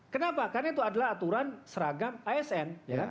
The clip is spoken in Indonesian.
kenapa karena itu adalah aturan seragam asn